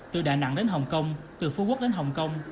từ đà nẵng đến hồng kông từ phú quốc đến hồng kông